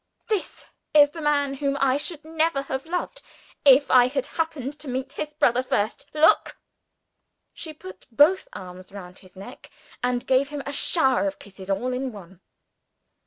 "This is the man whom I should never have loved if I had happened to meet his brother first. Look!" She put both arms round his neck; and gave him a shower of kisses all in one.